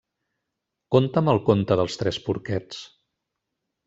Conta'm el conte dels tres porquets.